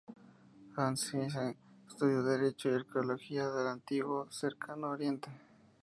Hans J. Nissen estudió Derecho y Arqueología del antiguo Cercano Oriente.